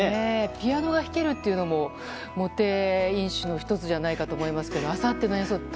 ピアノが弾けるというのもモテ因子の１つじゃないかと思いますけどあさっての演奏